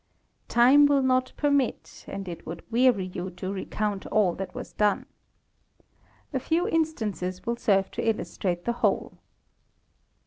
Time will not permit and it would weary you to recount all that was done. A few instances will serve to illustrate the whole.